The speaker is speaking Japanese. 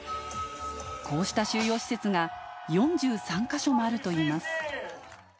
こうした収容施設が４３か所もあるといいます。